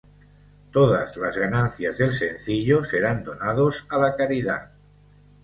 Todas las ganancias del sencillo, serán donados a la caridad.